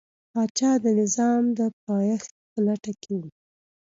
پاچا د نظام د پایښت په لټه کې و.